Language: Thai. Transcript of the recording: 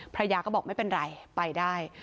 ภรรยาก็บอกไม่เป็นไรไปได้